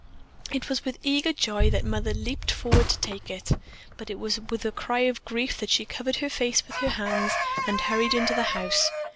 It was with eager joy that Mother leaped forward to take it, but it was with a cry of grief that she covered her face with her hands and hurried into the house.